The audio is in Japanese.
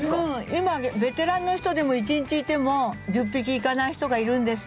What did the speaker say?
今ベテランの人でも１日いても１０匹いかない人がいるんですよ。